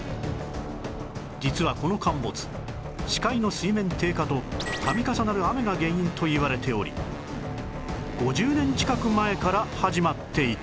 実はこの陥没死海の水面低下と度重なる雨が原因といわれており５０年近く前から始まっていた